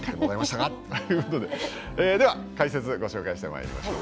ということででは解説ご紹介してまいりましょう。